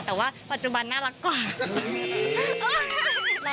แต่ว่าปัจจุบันน่ารักกว่า